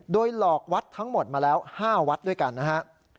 โดยหลอกวัดทั้งหมดมาแล้ว๕วัดด้วยกันนะฮะ